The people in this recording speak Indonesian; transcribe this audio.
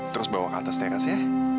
terus bawa ke atas teras ya